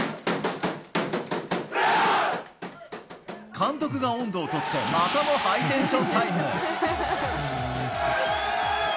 監督が音頭を取ってまたもハイテンションタイム。